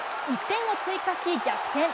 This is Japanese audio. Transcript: １点を追加し、逆転。